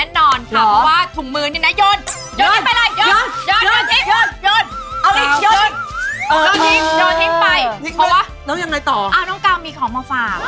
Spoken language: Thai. เอ้าน้องกราวมีของมาฝาก